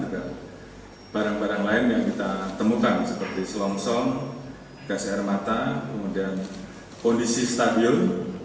dan barang barang lain yang kita temukan seperti slom som gas air mata kemudian kondisi stadion